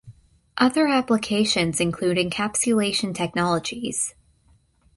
Other applications include encapsulation technologies.